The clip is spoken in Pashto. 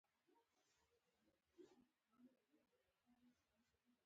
هغې د سترګې په نوم ناول لوست